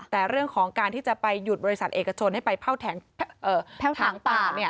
แต่เรื่องของการที่จะไปหยุดบริษัทเอกชนให้ไปแพ่วถังป่า